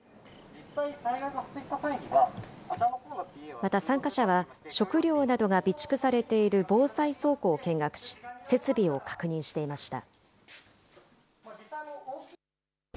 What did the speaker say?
また参加者は、食料などが備蓄されている防災倉庫を見学し、災害時に活用できる設備などを確認していました。